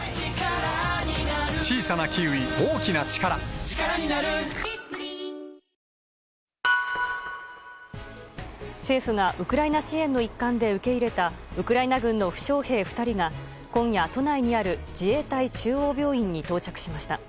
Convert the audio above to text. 「パーフェクトサントリービール糖質ゼロ」政府がウクライナ支援の一環で受け入れたウクライナ軍の負傷兵２人が今夜、都内にある自衛隊中央病院に到着しました。